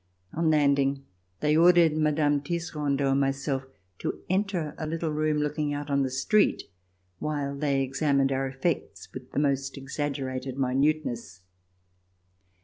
On landing they ordered Mme. Tisserandot and myself to enter a little room looking out on the street, while they examined our effects with the most exaggerated minuteness.